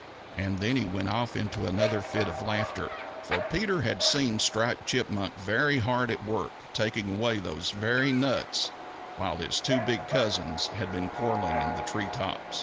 And then he went off into another fit of laughter, for Peter had seen Striped Chipmunk very hard at work taking away those very nuts while his two big cousins had been quarreling in the tree top.